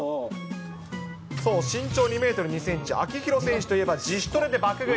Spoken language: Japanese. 身長２メートル２センチ、秋広選手といえば、自主トレで爆食い。